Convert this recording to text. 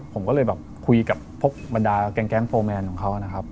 ผมก็เลยแบบคุยกับพวกบรรดาแก๊งโฟร์แมนของเขานะครับ